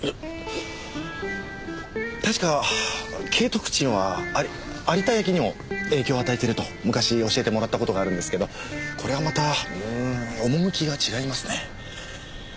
確か景徳鎮はあり有田焼にも影響を与えてると昔教えてもらった事があるんですけどこれはまたうん趣が違いますね。